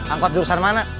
angkut jurusan mana